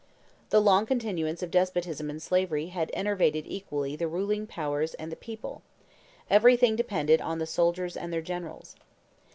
The long continuance of despotism and slavery had enervated equally the ruling power and the people; everything depended on the soldiers and their generals.